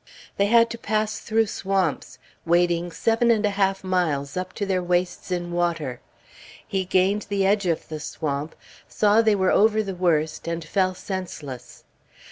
They had to pass through swamps, wading seven and a half miles, up to their waists in water. He gained the edge of the swamp, saw they were over the worst, and fell senseless.